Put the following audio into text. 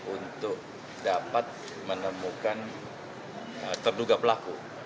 untuk dapat menemukan terduga pelaku